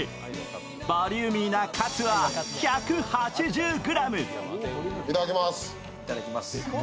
ボリューミーなカツは１８０ｇ。